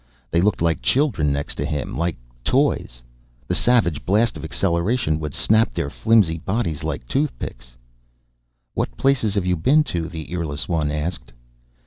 They looked like children next to him, like toys. The savage blast of acceleration would snap their flimsy bodies like toothpicks. "What places have you been to?" the earless one asked.